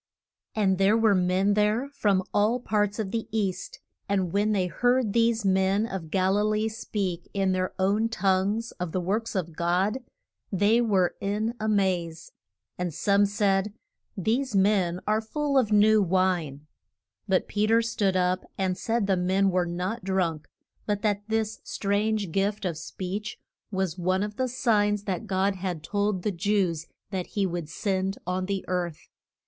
And there were men there from all parts of the East, and when they heard these men of Gal i lee speak in their own tongues of the works of God, they were in a maze. And some said, These men are full of new wine. [Illustration: CHRIST AP PEAR ING TO MA RY.] But Pe ter stood up and said the men were not drunk, but that this strange gift of speech was one of the signs that God had told the Jews that he would send on the earth.